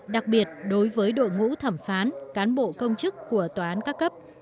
đặc biệt đối với đội ngũ thẩm phán cán bộ công chức của tổ chức